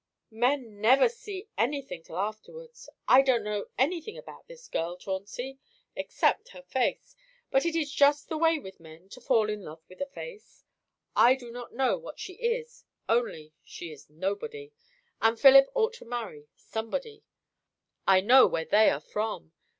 "Men never see anything till afterwards. I don't know anything about this girl, Chauncey, except her face. But it is just the way with men, to fall in love with a face. I do not know what she is, only she is nobody; and Philip ought to marry somebody. I know where they are from.